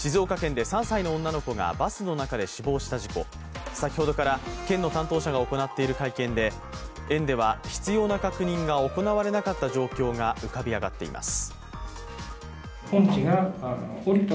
静岡県で３歳の女の子がバスの中で死亡した事故、先ほどから県の担当者が行っている会見で、園では必要な確認が行われなかった状況が浮かび上がっています。